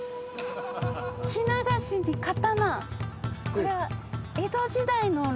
着流しに刀これは。